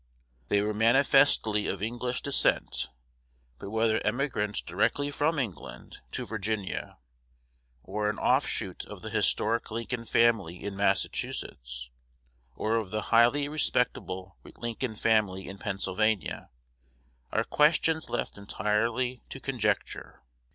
They were manifestly of English descent; but whether emigrants directly from England to Virginia, or an offshoot of the historic Lincoln family in Massachusetts, or of the highly respectable Lincoln family in Pennsylvania, are questions left entirely to conjecture.